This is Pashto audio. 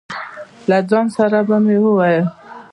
له ځان سره به مې وویل.